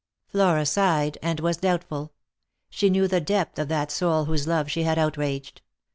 Flora sighed, and was doubtful. She knew the depth of that soul whose love she had outraged.